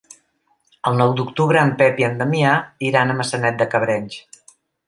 El nou d'octubre en Pep i en Damià iran a Maçanet de Cabrenys.